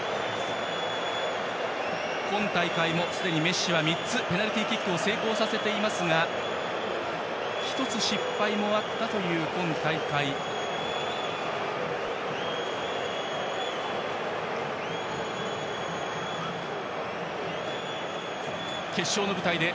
今大会もすでにメッシは３つ、ペナルティーキックを成功させていますが１つ失敗もあったという今大会です。